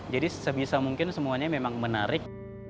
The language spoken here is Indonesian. jadi semisal mungkin semuanya memang menarik